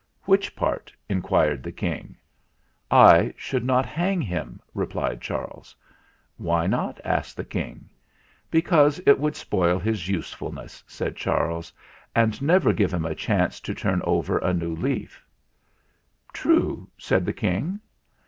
"Which part ?" inquired the King. ' "I should not hang him," replied Charles. "Why not?" asked the King. "Because it would spoil his usefulness/' said Charles, "and never give him a chance to turn over a new leaf." "True," said the King.